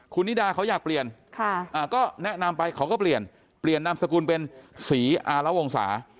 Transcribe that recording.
คุณนิดาเขาอยากเปลี่ยนก็แนะนำไปเขาก็เปลี่ยนเปลี่ยนนามสกุลเป็นศรีอารวงศา